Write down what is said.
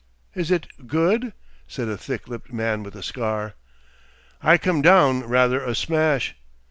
"Is it good?" said a thick lipped man with a scar. "I come down rather a smash